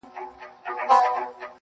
تا پر اوږده ږيره شراب په خرمستۍ توی کړل.